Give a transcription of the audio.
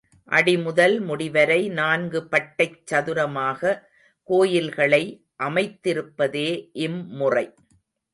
அடி முதல் முடிவரை நான்கு பட்டைச் சதுரமாக கோயில்களை அமைப்பதே இம்முறை.